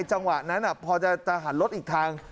จังหวะนั้นพอจะหันรถอีกทาง